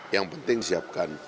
yang penting siapkan